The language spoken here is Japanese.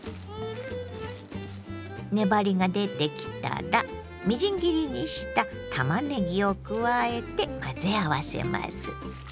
粘りが出てきたらみじん切りにしたたまねぎを加えて混ぜ合わせます。